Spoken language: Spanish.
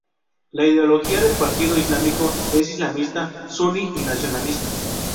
La ideología del Partido Islámico es islamista suní y nacionalista.